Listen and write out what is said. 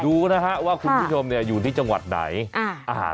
ดูนะครับว่าคุณผู้ชมอยู่ที่จังหวัดไหน